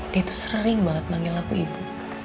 dia tuh sering banget manggil aku ibu